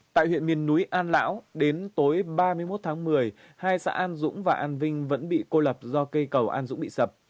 tại huyện miền núi an lão đến tối ba mươi một tháng một mươi hai xã an dũng và an vinh vẫn bị cô lập do cây cầu an dũng bị sập